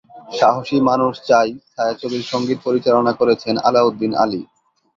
সাহসী মানুষ চাই ছায়াছবির সঙ্গীত পরিচালনা করেছেন আলাউদ্দিন আলী।